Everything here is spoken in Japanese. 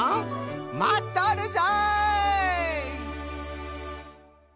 まっとるぞい！